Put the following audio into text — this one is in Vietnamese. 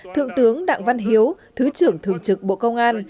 thượng tướng đặng văn hiếu thứ trưởng thường trực bộ công an